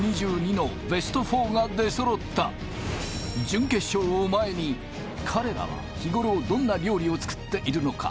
ベスト４が出そろった準決勝を前に彼らは日ごろどんな料理を作っているのか？